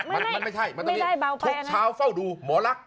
มาตอนนี้ทุกเช้าเฝ้าดูหมอลัก